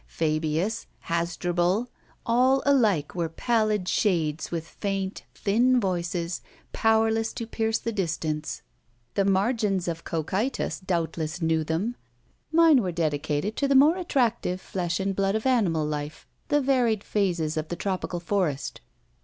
Fabius, Hasdrubal—all alike were pallid shades with faint, thin voices powerless to pierce the distance. The margins of Cocytus doubtless knew them: mine were dedicated to the more attractive flesh and blood of animal life, the varied phases of the tropic forest.